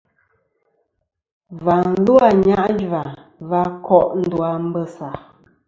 Và lu a Anyajua va ko' ndu a Mbessa.